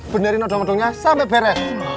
benerin odo odonya sampe beres